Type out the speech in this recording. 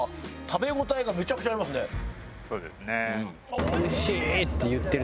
そうですね。